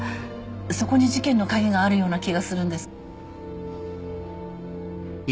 そこに事件の鍵があるような気がするんです。